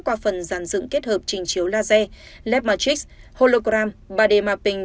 qua phần giàn dựng kết hợp trình chiếu laser led matrix hologram ba d mapping